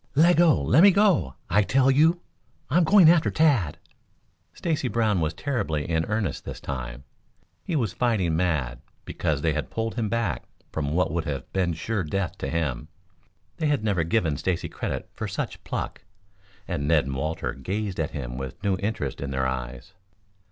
"Leggo! Lemme go, I tell you. I'm going after Tad!" Stacy Brown was terribly in earnest this time. He was fighting mad because they had pulled him back from what would have been sure death to him. They had never given Stacy credit for such pluck, and Ned and Walter gazed at him with new interest in their eyes.